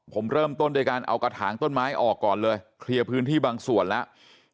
ผมเริ่มต้นด้วยการเอากระถางต้นไม้ออกก่อนเลยเคลียร์พื้นที่บางส่วนแล้ว